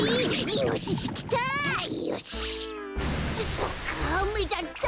そっかあめだった！